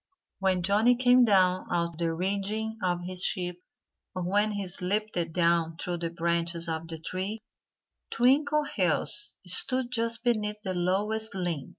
When Johnnie came down out of the rigging of his ship or when he slipped down through the branches of the tree Twinkleheels stood just beneath the lowest limb.